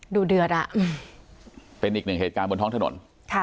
เดือดอ่ะเป็นอีกหนึ่งเหตุการณ์บนท้องถนน